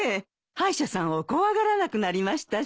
歯医者さんを怖がらなくなりましたし。